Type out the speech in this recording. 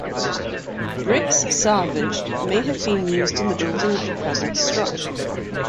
Bricks salvaged may have been used in the building of the present structure.